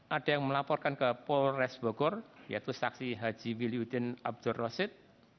ada yang melaporkan ke polres bogor yaitu saksi haji wiliudin abdur rosid